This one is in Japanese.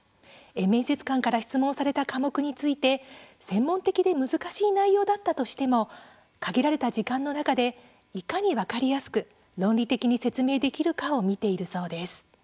面接官から質問された科目について、専門的で難しい内容だったとしても限られた時間の中でいかに分かりやすく論理的に説明できるかを見ているそうです。